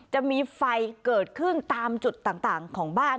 จะมีไฟเกิดขึ้นตามจุดต่างของบ้าน